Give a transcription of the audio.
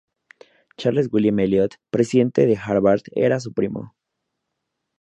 Charles William Eliot, presidente de Harvard, era su primo.